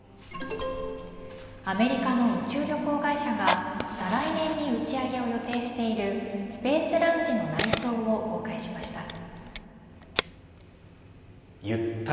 アメリカの宇宙旅行会社が再来年に打ち上げを予定しているスペースラウンジの内装を公開しました。